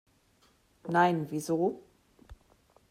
Nein, wieso?